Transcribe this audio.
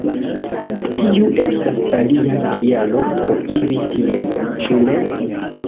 Tiu estas alia kialo por iri tien, ĉu ne?